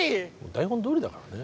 台本どおりだからね。